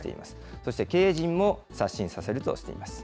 そして経営陣も刷新させるとしています。